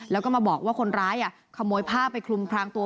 แล้วก็มาบอกว่าคนร้ายขโมยผ้าไปคลุมพรางตัว